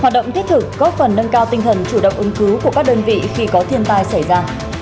hoạt động thiết thực góp phần nâng cao tinh thần chủ động ứng cứu của các đơn vị khi có thiên tai xảy ra